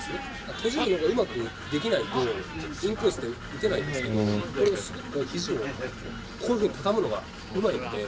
閉じるのがうまくできないと、インコースは打てないんですけど、すっとひじをこういうふうに畳むのがうまいので。